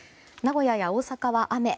名古屋や大阪は雨。